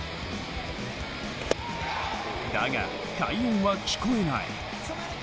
だが、快音は聞こえない。